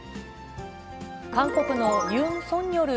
韓国のユン・ソンニョル